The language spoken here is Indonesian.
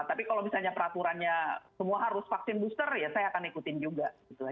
tapi kalau misalnya peraturannya semua harus vaksin booster ya saya akan ikutin juga gitu lah